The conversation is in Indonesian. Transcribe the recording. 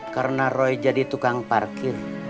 karena roy jadi tukang parkir